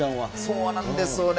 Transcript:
そうなんですよね。